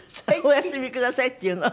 「お休みください」って言うの？